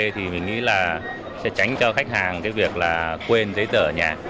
thì mình nghĩ là sẽ tránh cho khách hàng việc quên giấy tờ ở nhà